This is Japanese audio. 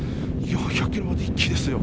４００キロまで一気ですよ。